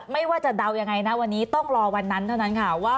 ไม่ว่าจะเดายังไงนะวันนี้ต้องรอวันนั้นเท่านั้นค่ะว่า